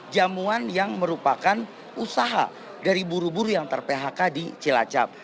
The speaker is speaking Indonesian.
jamuan yang merupakan usaha dari buru buru yang ter phk di cilacap